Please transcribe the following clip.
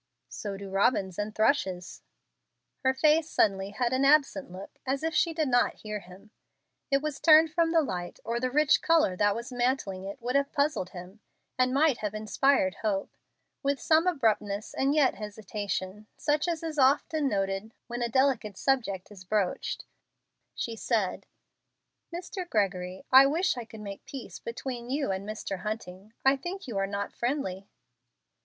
"So do robins and thrushes." Her face suddenly had an absent look as if she did not hear him. It was turned from the light, or the rich color that was mantling it would have puzzled him, and might have inspired hope. With some abruptness and yet hesitation, such as is often noted when a delicate subject is broached, she said, "Mr. Gregory, I wish I could make peace between you and Mr. Hunting. I think you are not friendly."